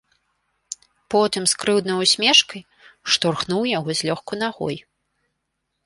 Потым з крыўднаю ўсмешкаю штурхнуў яго злёгку нагою.